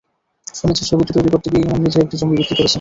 শুনেছি ছবিটি তৈরি করতে গিয়ে ইমন নিজের একটি জমি বিক্রি করেছে।